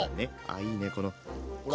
ああいいねこの。